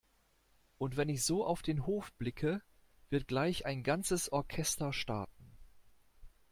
Und wenn ich so auf den Hof blicke, wird gleich ein ganzes Orchester starten.